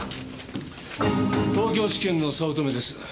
東京地検の早乙女です。